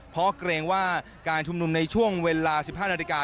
เพราะเกรงว่าการชุมนุมในช่วงเวลา๑๕นาฬิกา